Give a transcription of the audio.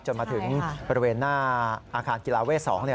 จนถึงบริเวณหน้าอาคารกีฬาเวท๒